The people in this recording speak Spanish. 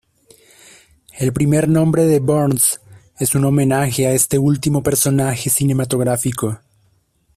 El primer nombre de Burns es un homenaje a este último personaje cinematográfico.